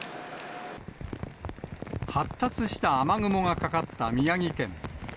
発達した雨雲がかかった宮城県。